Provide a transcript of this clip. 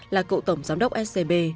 là cựu tổng giám đốc scb